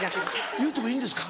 言うてもいいんですか？